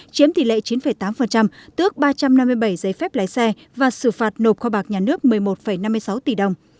chiếm tỷ lệ chín tám tước ba trăm năm mươi bảy giấy phép lái xe và xử phạt nộp kho bạc nhà nước một mươi một năm mươi sáu tỷ đồng